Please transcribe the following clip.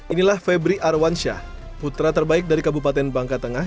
inilah febri arwansyah putra terbaik dari kabupaten bangka tengah